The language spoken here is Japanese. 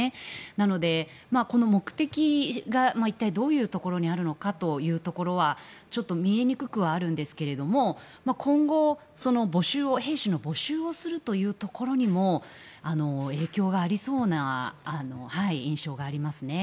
なので、この目的が一体どういうところにあるのかというところはちょっと見えにくくはあるんですが今後、兵士の募集をするというところにも影響がありそうな印象がありますね。